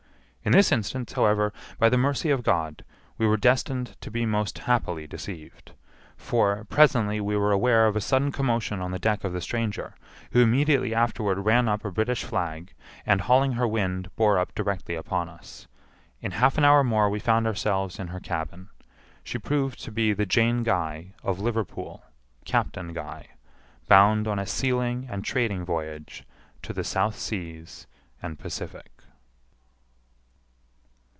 {*2} In this instance, however, by the mercy of God, we were destined to be most happily deceived; for, presently we were aware of a sudden commotion on the deck of the stranger, who immediately afterward ran up a British flag, and, hauling her wind, bore up directly upon us. In half an hour more we found ourselves in her cabin. She proved to be the Jane Guy, of Liverpool, Captain Guy, bound on a sealing and trading voyage to the South Seas and Pacific.